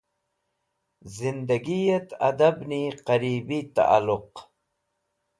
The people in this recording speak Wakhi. Zindagiyet Adabni Qaribi Ta'luq